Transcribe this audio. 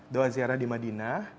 doa ziarah di madinah